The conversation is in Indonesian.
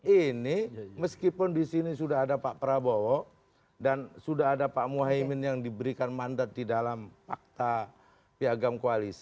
ini meskipun disini sudah ada pak prabowo dan sudah ada pak moaimin yang diberikan mandat di dalam fakta piagam